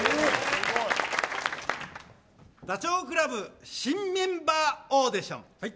ダチョウ倶楽部新メンバーオーディション。